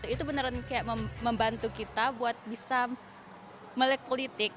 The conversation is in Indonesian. itu beneran membantu kita buat bisa melihat politik